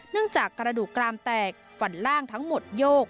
จากกระดูกกรามแตกฝันล่างทั้งหมดโยก